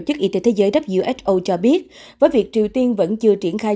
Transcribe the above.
chức y tế thế giới who cho biết với việc triều tiên vẫn chưa triển khai